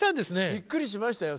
びっくりしましたよ